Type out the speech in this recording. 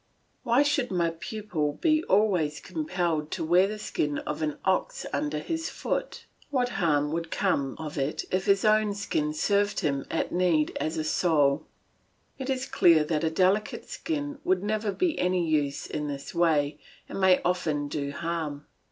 Why should my pupil be always compelled to wear the skin of an ox under his foot? What harm would come of it if his own skin could serve him at need as a sole. It is clear that a delicate skin could never be of any use in this way, and may often do harm.